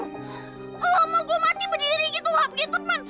lah mau gue mati berdiri gitu lah begitu men